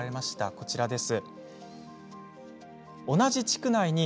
こちらです。